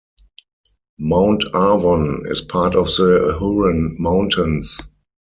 Mount Arvon is part of the Huron Mountains.